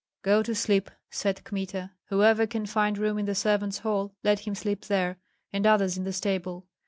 "Go to sleep," said Kmita; "whoever can find room in the servants' hall, let him sleep there, and others in the stable.